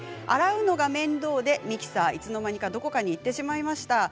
洗うのが面倒で、ミキサーいつの間にかどこかにいってしまいました。